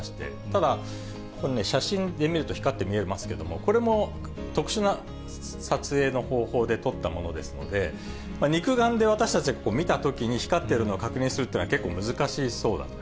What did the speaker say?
ただ、この写真で見ると、光って見えますけども、これも特殊な撮影の方法で撮ったものですので、肉眼で私たちが見たときに、光ってるのを確認するのは、結構、難しいそうだと。